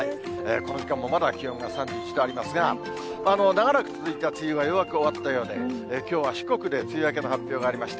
この時間もまだ気温が３１度ありますが、長らく続いた梅雨はようやく終わったようで、きょうは四国で梅雨明けの発表がありました。